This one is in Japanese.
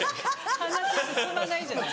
話進まないじゃない。